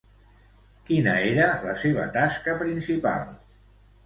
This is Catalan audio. Quina era la seva tasca principal?